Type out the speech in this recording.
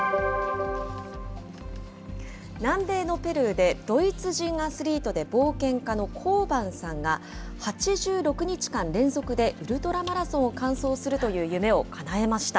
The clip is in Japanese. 南米のペルーでドイツ人アスリートで冒険家のコーバンさんが、８６日間連続でウルトラマラソンを完走するという夢をかなえました。